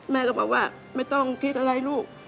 แม่ก็บอกว่าไม่ต้องคิดอะไรลูก